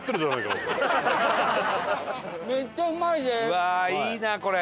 うわあいいなこれ！